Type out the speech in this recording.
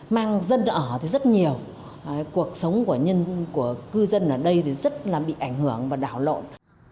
mang dân ở thì rất nhiều cuộc sống của cư dân ở đây thì rất là bị ảnh hưởng và đảo lộn